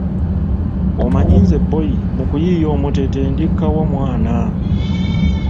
Omanyi nze bboyi mu kuyiiya omutete ndi kawa mwana.